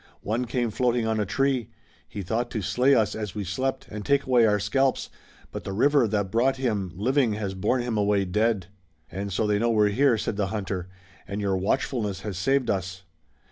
"One came floating on a tree. He thought to slay us as we slept and take away our scalps, but the river that brought him living has borne him away dead." "And so they know we're here," said the hunter, "and your watchfulness has saved us.